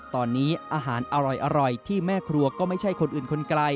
ตอนนี้อาหารอร่อยที่แม่ครัวก็ไม่ใช่คนอื่นคนไกล